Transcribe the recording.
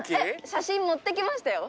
写真持ってきましたよ。